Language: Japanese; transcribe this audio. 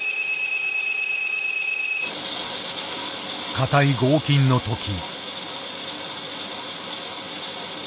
硬い合金のとき。